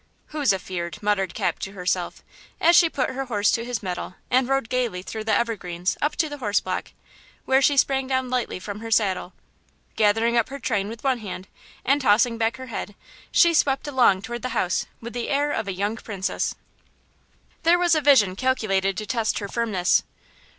"Who's afeard?" muttered Cap to herself, as she put her horse to his mettle and rode gayly through the evergreens up to the horse block, where she sprang down lightly from her saddle. Gathering up her train with one hand and tossing back her head, she swept along toward the house with the air of a young princess. There was a vision calculated to test her firmness.